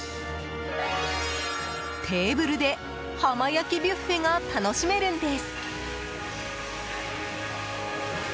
テーブルで浜焼きビュッフェが楽しめるんです。